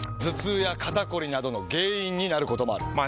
頭痛や肩こりなどの原因になることもある。